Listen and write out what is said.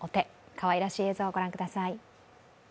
かわいらしい映像、ご覧ください。